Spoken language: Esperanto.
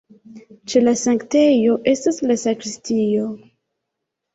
Ĉe la sanktejo estas la sakristio.